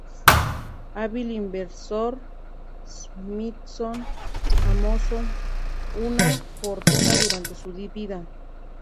Hábil inversor, Smithson amasó una fortuna durante su vida.